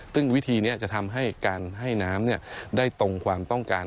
ซึ่งวิธีนี้จะทำให้การให้น้ำได้ตรงความต้องการ